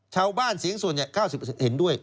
ชาวบ้านเสียงส่วน๙๐เห็นด้วย